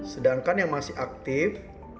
sedangkan yang masih aktif